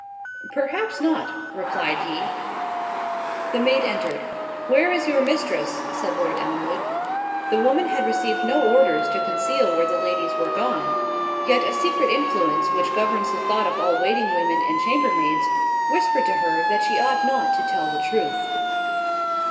"Perhaps not," replied he. The maid entered. "Where is your mistress?" said Lord Elmwood. The woman had received no orders to conceal where the ladies were gone, and yet a secret influence which governs the thoughts of all waiting women and chambermaids, whispered to her that she ought not to tell the truth.